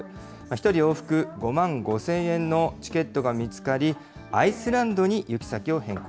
１人往復５万５０００円のチケットが見つかり、アイスランドに行